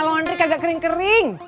lontri kagak kering kering